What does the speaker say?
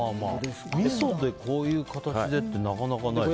みそで、こういう形でってなかなかないですね。